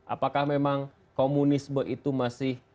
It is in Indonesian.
apakah memang komunisme itu masih